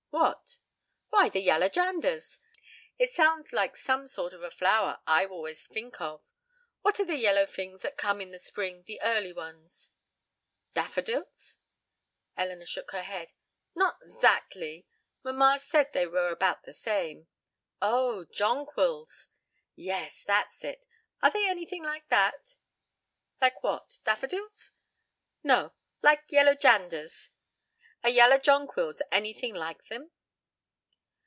"What?" "Why, the yaller janders. It sounds like some sort of a flower, I always fink of what are the yellow fings that come in the spring the early ones?" "Daffodils?" Elinor shook her head. "Not zactly; mamma said they were about the same." "Oh, jonquils." "Yes, that's it; are they anything alike?" "Like what? Daffodils?" "No; like yaller janders. Are yaller jonquils anything like them?"